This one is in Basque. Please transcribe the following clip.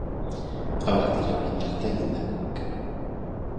Hauek dira orain arte egindakoak.